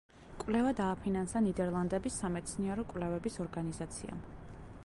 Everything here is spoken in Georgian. კვლევა დააფინანსა ნიდერლანდების სამეცნიერო კვლევების ორგანიზაციამ.